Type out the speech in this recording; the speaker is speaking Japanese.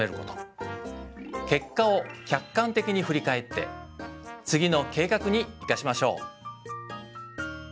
結果を客観的に振り返って次の計画に生かしましょう。